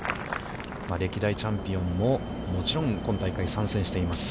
歴代チャンピオンももちろん、今大会、参戦しています。